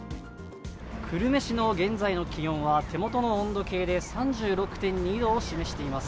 久留米市の現在の気温は、手元の温度計で３６．２度を示しています。